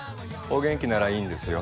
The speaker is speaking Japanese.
お元気ならいいんですよ。